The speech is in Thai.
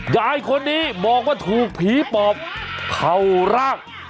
ยายคนนี้บอกว่าถูกผีปกเขารัก